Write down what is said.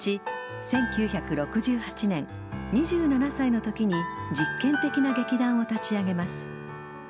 １９６８年２７歳のときに実験的な劇団を立ち上げます。